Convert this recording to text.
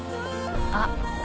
あっ。